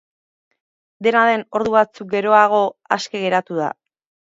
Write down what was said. Dena den, ordu batzuk geroago aske geratu da.